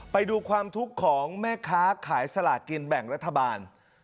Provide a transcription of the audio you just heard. ไปดูความทุกข์ของแม่ค้าขายสลากินแบ่งรัฐบาล